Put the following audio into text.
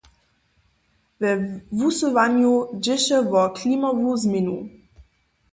We wusyłanju dźěše wo klimowu změnu.